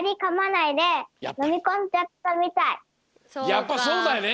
やっぱそうだよね。